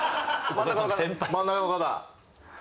真ん中の方。